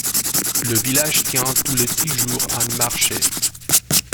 Le village tient tous les six jours un marché.